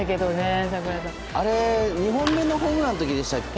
２本目のホームランの時でしたっけ